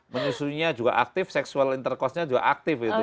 menyusuinya juga aktif seksual intercourse nya juga aktif itu